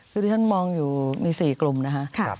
คือที่ท่านมองอยู่มี๔กลุ่มนะคะ